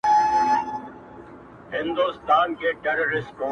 ټولو په لپو کي سندرې’ دې ټپه راوړې’